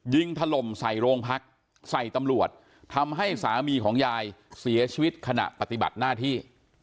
ถล่มใส่โรงพักใส่ตำรวจทำให้สามีของยายเสียชีวิตขณะปฏิบัติหน้าที่